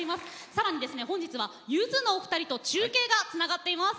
さらに本日はゆずのお二人と中継がつながっています。